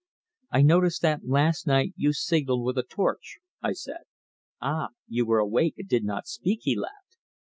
"I noticed that last night you signalled with a torch," I said. "Ah! you were awake and did not speak," he laughed.